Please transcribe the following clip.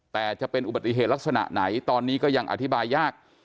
แต่จะเป็นอุบัติเหตุลักษณะไหนตอนนี้ก็ยังอธิบายยาก